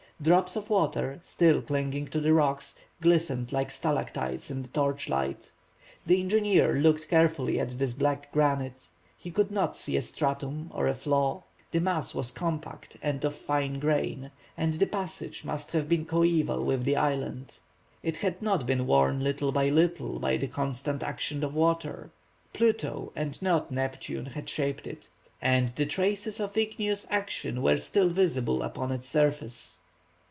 Drops of water, still clinging to the rocks, glistened like stalactites in the torchlight. The engineer looked carefully at this black granite. He could not see a stratum or a flaw. The mass was compact and of fine grain, and the passage must have been coeval with the island. It had not been worn little by little by the constant action of water. Pluto, and not Neptune, had shaped it; and the traces of igneous action were still visible upon its surface.